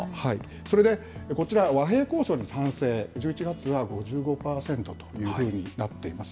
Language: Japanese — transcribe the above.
それで、こちら、和平交渉に賛成、１１月は５５％というふうになっています。